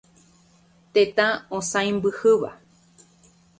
Tetã oisãmbyhýva.